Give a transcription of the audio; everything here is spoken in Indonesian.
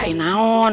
gak ada hantu hantuan